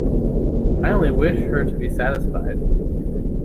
I only wish her to be satisfied.